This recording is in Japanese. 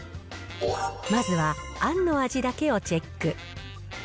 まずはあんの味だけをチェック。